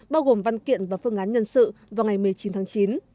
bao gồm văn kiện và phương án nhân sự vào ngày một mươi chín tháng chín